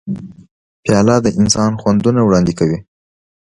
پیاله د انسان خوندونه وړاندې کوي.